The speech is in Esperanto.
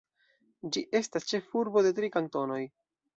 Ĝi estas ĉefurbo de tri kantonoj.